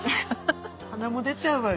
はなも出ちゃうわよ。